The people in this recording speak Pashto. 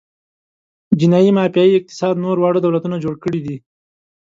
جنايي مافیايي اقتصاد نور واړه دولتونه جوړ کړي دي.